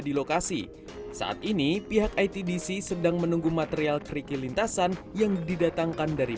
di lokasi saat ini pihak itdc sedang menunggu material keriki lintasan yang didatangkan dari